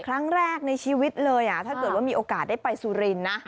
ครั้งแรกในชีวิตเลยถ้าเกิดว่ามีโอกาสได้ไปสุรินทร์นะ